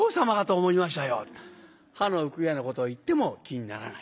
歯の浮くようなことを言っても気にならないという。